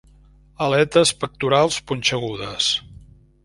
Aletes pectorals punxegudes.